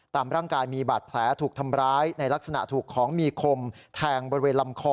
ตามร่างกายมีบาดแผลถูกทำร้ายในลักษณะถูกของมีคมแทงบริเวณลำคอ